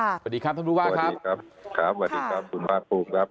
สวัสดีครับท่านผู้ว่าครับสวัสดีครับครับสวัสดีครับคุณภาคภูมิครับ